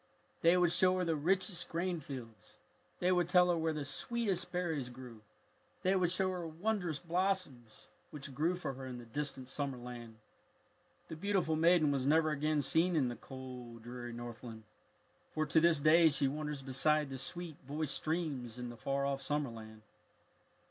They would show her the richest grain fields. They would tell her where the sweetest berries grew. They would show her wondrous blossoms which grew for her in the distant summer land. The beautiful maiden was never again seen in the cold, dreary Northland, for to this day she wanders beside the sweet voiced streams in the far off summer land.